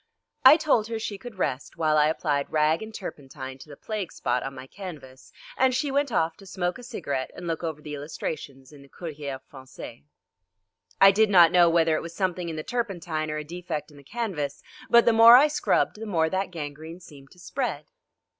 I told her she could rest while I applied rag and turpentine to the plague spot on my canvas, and she went off to smoke a cigarette and look over the illustrations in the Courrier Français. I did not know whether it was something in the turpentine or a defect in the canvas, but the more I scrubbed the more that gangrene seemed to spread.